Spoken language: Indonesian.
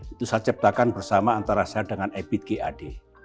itu saya ciptakan bersama antara saya dengan epit g a d